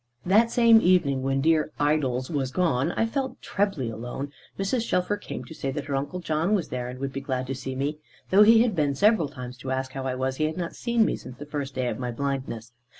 That same evening, when dear "Idols" was gone, and I felt trebly alone, Mrs. Shelfer came to say that her uncle John was there, and would be glad to see me. Though he had been several times to ask how I was, he had not seen me since the first day of my blindness.